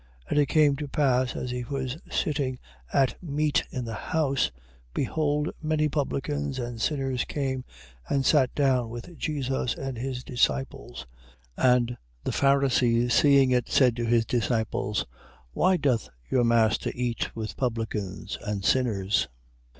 9:10. And it came to pass as he was sitting at meat in the house, behold many publicans and sinners came, and sat down with Jesus and his disciples. 9:11. And the Pharisees seeing it, said to his disciples: Why doth your master eat with publicans and sinners?